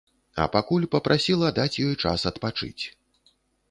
А пакуль папрасіла даць ёй час адпачыць.